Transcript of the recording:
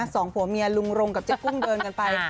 สองผัวเมียลุงรงกับเจ๊กุ้งเดินกันไป